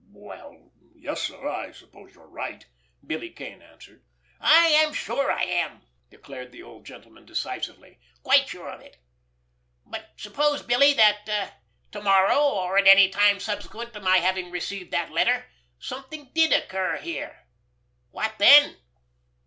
"Well; yes, sir—I suppose you're right," Billy Kane answered. "I am sure I am," declared the old gentleman decisively. "Quite sure of it! But suppose, Billy, that to morrow, or at any time subsequent to my having received that letter, something did occur here—what then?"